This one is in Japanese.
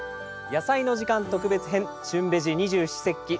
「やさいの時間特別編旬ベジ二十四節気」